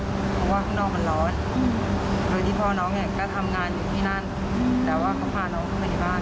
เพราะว่าข้างนอกมันร้อนโดยที่พ่อน้องเนี่ยก็ทำงานอยู่ที่นั่นแต่ว่าเขาพาน้องเข้ามาในบ้าน